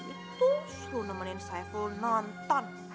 itu suruh nemenin saya nonton